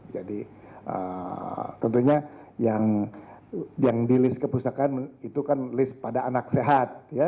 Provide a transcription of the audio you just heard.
jadi tentunya yang di list kepustakaan itu kan list pada anak sehat